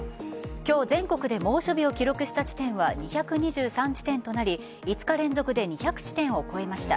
今日、全国で猛暑日を記録した地点は２２３地点となり５日連続で２００地点を超えました。